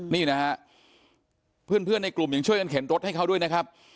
นี่นะฮะเพื่อนในกลุ่มยังช่วยกันเข็นรถให้เขาด้วยนะครับ